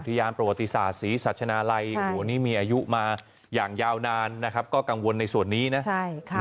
อุทิยานประวัติศาสตร์ศรีษัตริย์นนาไลม์โหนี้มีอายุมาอย่างยาวนานนะครับก็กังวลในส่วนนี้นะ